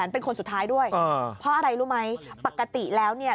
เพราะอะไรรู้ไหมปกติแล้วเนี่ย